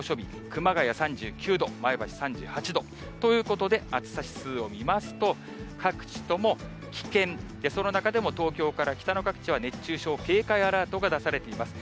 熊谷３９度、前橋３８度ということで、暑さ指数を見ますと、各地とも危険、その中でも東京から北の各地は熱中症警戒アラートが出されています。